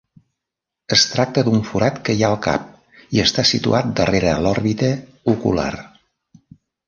Es tracta d'un forat que hi ha al cap i està situat darrere l'òrbita ocular.